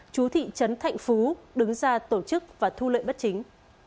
chú thị trấn thạnh phú đứng ra tổ chức và thu lợi bất chính